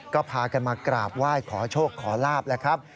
ก็พากันมากราบไหว้ขอโชคขอลาบแล้วครับ